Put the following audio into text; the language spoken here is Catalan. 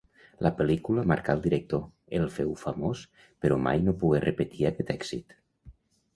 La pel·lícula marcà el director, el féu famós però mai no pogué repetir aquest èxit.